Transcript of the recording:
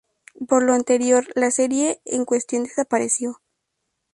Por lo anterior, la Serie en cuestión desapareció.